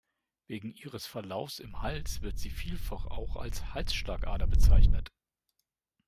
Wegen ihres Verlaufs im Hals wird sie vielfach auch als Halsschlagader bezeichnet.